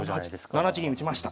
７八銀打ちました。